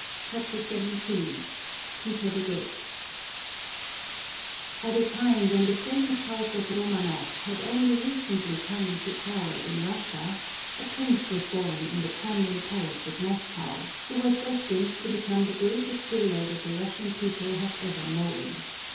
CHAPTER XVII PETER THE GREAT At a time when the famous House of Romanoff had only recently come into power in Russia, a prince was born in the Kremlin Palace at Moscow who was destined to become the greatest ruler that the Russian people have ever known.